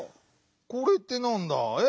「これ」ってなんだ？え？